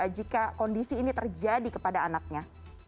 jika kondisi ini terjadi kepada anaknya